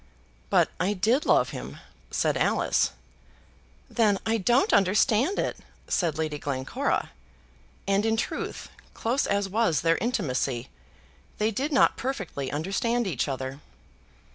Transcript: "But I did love him," said Alice. "Then I don't understand it," said Lady Glencora; and, in truth, close as was their intimacy, they did not perfectly understand each other.